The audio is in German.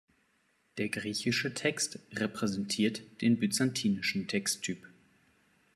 Der griechische Text repräsentiert den Byzantinischen Texttyp.